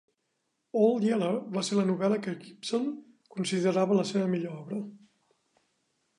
"Old Yeller" va ser la novel·la que Gipson considerava la seva millor obra.